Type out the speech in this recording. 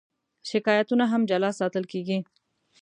شکایتونه هم جلا ساتل کېږي.